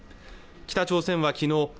北朝鮮はきのう